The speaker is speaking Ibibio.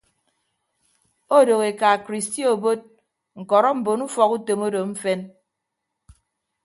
Odooho eka kristi obot ñkọrọ mbon ufọkutom odo mfen.